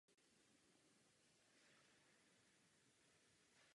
Posily neměly zásoby a vybavení.